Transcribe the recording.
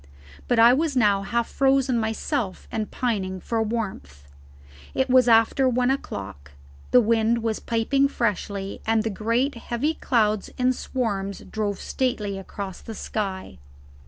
But I was now half frozen myself and pining for warmth. It was after one o'clock. The wind was piping freshly, and the great heavy clouds in swarms drove stately across the sky.